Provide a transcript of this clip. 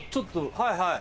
はいはい。